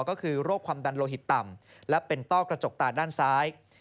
ก็คือโรคความดันโลหิตต่ำและเป็นต้อกระจกตาด้านซ้าย